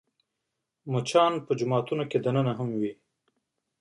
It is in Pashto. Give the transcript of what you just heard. مچان د جوماتونو دننه هم وي